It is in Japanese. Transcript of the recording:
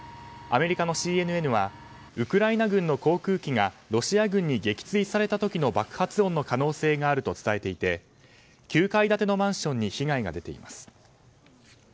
アメリカのＣＮＮはウクライナ軍の航空機がロシア軍に撃墜された時の爆発音の可能性があると伝えていて９階建てのマンションに被害が出ています。